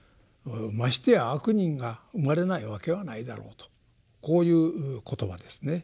ましてや悪人が生まれないわけはないだろうとこういう言葉ですね。